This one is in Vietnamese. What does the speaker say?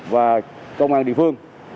và công an địa phương